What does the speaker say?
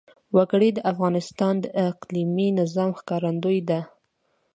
وګړي د افغانستان د اقلیمي نظام ښکارندوی ده.